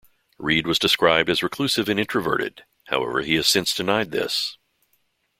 Reed was described as reclusive and introverted, however he has since denied this.